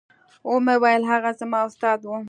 ومې ويل هغه زما استاد و.